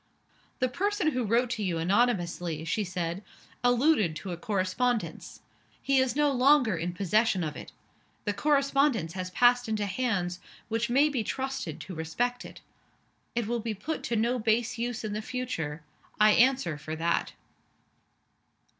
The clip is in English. "The person who wrote to you anonymously," she said, "alluded to a correspondence. He is no longer in possession of it. The correspondence has passed into hands which may be trusted to respect it. It will be put to no base use in the future I answer for that."